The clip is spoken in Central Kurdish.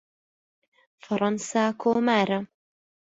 فەرەنسا کۆمارە.